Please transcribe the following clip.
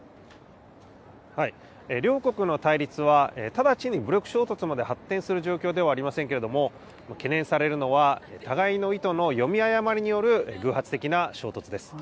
両国の対立は、直ちに武力衝突まで発展する状況ではありませんけれども、懸念されるのは、互いの意図の読み誤りによる偶発的な衝突です。